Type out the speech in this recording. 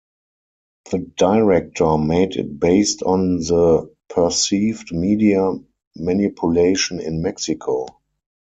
The director made it based on the perceived media manipulation in Mexico.